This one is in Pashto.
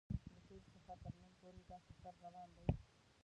له تېر څخه تر نن پورې دا سفر روان دی.